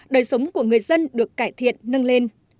đời sống của người dân được cải thiện nâng lên